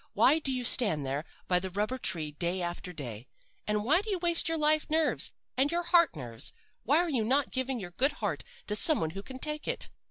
Why do you stand there by the rubber tree day after day? And why do you waste your life nerves and your heart nerves? Why are you not giving your good heart to some one who can take it?